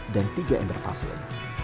dan tiga ember pasir